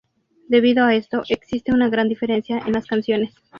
Debido a esto, existe una gran diferencia en las canciones.